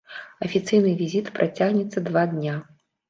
Афіцыйны візіт працягнецца два дня.